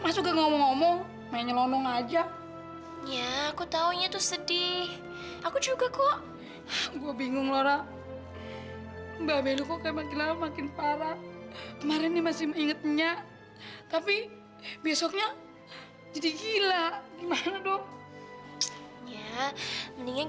sampai jumpa di video selanjutnya